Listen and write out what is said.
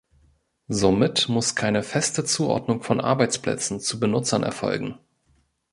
Somit muss keine feste Zuordnung von Arbeitsplätzen zu Benutzern erfolgen.